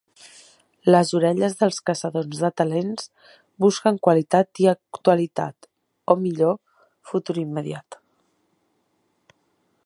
Les orelles dels caçadors de talents busquen qualitat i actualitat o, millor, futur immediat.